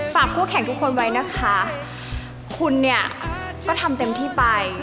คู่แข่งทุกคนไว้นะคะคุณเนี่ยก็ทำเต็มที่ไป